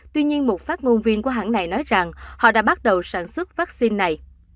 tuy nhiên một phát ngôn viên của hãng này nói rằng họ đã bắt đầu sản xuất vaccine này